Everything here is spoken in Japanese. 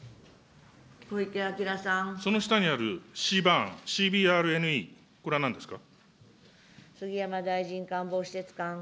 その下にあるシーバーン、ＣＢＲＮＥ、これは何ですか。